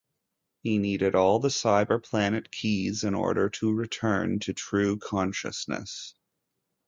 He needed all the Cyber Planet Keys in order to return to true consciousness.